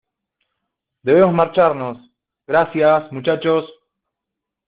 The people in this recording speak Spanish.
¡ Debemos marchamos! ¡ gracias, muchachos !